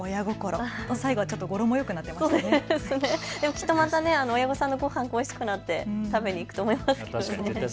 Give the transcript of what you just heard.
きっとまた親御さんさんのごはんが恋しくなって食べに行くと思いますけどね。